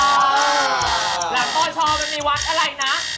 หลักโบช่อนมันมีวัดอะไรนะ